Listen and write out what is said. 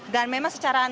dan memang secara nasional